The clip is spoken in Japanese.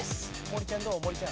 森ちゃん。